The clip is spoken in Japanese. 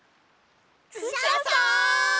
クシャさん！